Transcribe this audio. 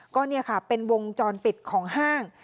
ก็เนี่ยค่ะเป็นวงจรปิดของห้าง